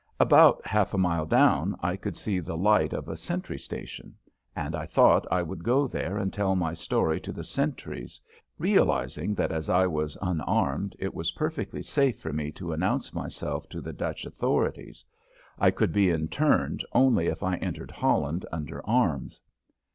About half a mile down I could see the light of a sentry station, and I thought I would go there and tell my story to the sentries, realizing that as I was unarmed it was perfectly safe for me to announce myself to the Dutch authorities. I could be interned only if I entered Holland under arms.